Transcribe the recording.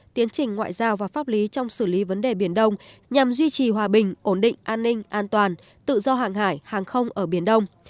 tiến trình ngoại giao và pháp lý trong xử lý vấn đề biển đông nhằm duy trì hòa bình ổn định an ninh an toàn tự do hàng hải hàng không ở biển đông